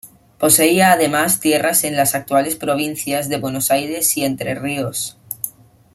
Poseía además tierras en las actuales provincias de Buenos Aires y Entre Ríos.